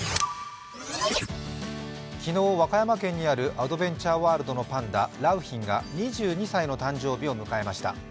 昨日和歌山県にあるアドベンチャーワールドのパンダ、良浜が２２歳の誕生日を迎えました。